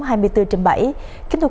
kính thưa quý vị và các bạn